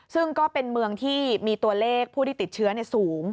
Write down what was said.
ซึ่งก็เป็นเมืองที่มีตัวเลขผู้ที่ติดเชื้อสูง